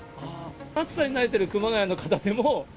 暑さに慣れてる熊谷の方でも？